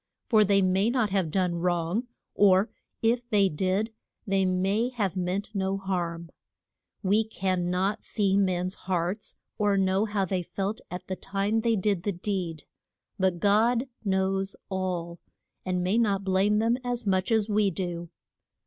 For they may not have done wrong, or if they did they may have meant no harm. We can not see men's hearts, or know how they felt at the time they did the deed. But God knows all, and may not blame them as much as we do.